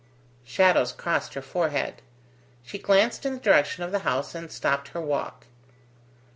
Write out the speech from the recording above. Shadows crossed her forehead. She glanced in the direction of the house and stopped her walk.